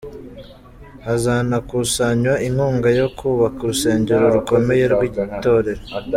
Hazanakusanywa inkunga yo kubaka urusengero rukomeye rw’iri torero.